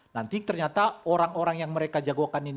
nanti ternyata orang orang yang mereka jago kan ini